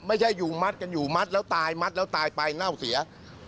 ไม่ใช่อยู่มัดกันอยู่มัดแล้วตายมัดแล้วตายไปเน่าเสีย